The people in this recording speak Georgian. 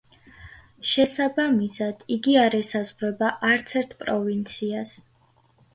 შესაბამისად, იგი არ ესაზღვრება არც ერთ პროვინციას.